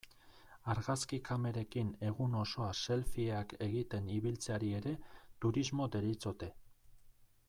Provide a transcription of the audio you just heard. Argazki kamerekin egun osoa selfieak egiten ibiltzeari ere turismo deritzote.